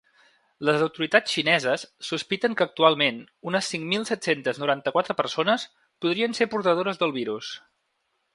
Les autoritats xineses sospiten que actualment unes cinc mil set-centes noranta-quatre persones podrien ser portadores del virus.